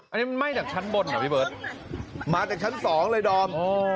อันนี้มันไหม้จากชั้นบนเหรอพี่เบิร์ตมาจากชั้นสองเลยดอม